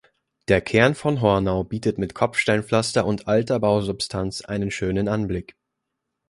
Der Kern von Hornau bietet mit Kopfsteinpflaster und alter Bausubstanz einen schönen Anblick.